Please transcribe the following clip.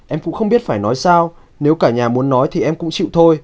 em cũng không biết phải nói sao nếu cả nhà muốn nói thì em cũng chịu thôi